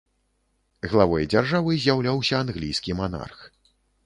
Главой дзяржавы з'яўляўся англійскі манарх.